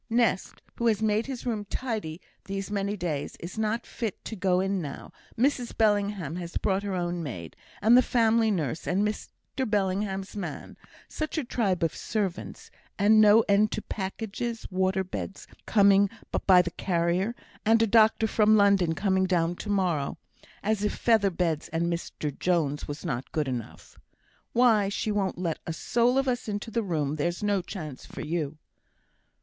Nest, who has made his room tidy these many days, is not fit to go in now. Mrs Bellingham has brought her own maid, and the family nurse, and Mr Bellingham's man; such a tribe of servants and no end to packages; water beds coming by the carrier, and a doctor from London coming down to morrow, as if feather beds and Mr Jones was not good enough. Why, she won't let a soul of us into the room; there's no chance for you!"